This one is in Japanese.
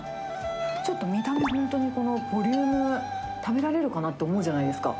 ちょっと見た目本当にこのボリューム、食べられるかなって思うじゃないですか。